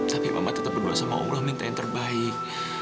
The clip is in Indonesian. tapi mama tetap berdoa sama allah minta yang terbaik